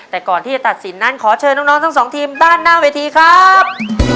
แต่ก่อนที่จะตัดสินนั้นขอเชิญน้องทั้งสองทีมด้านหน้าเวทีครับ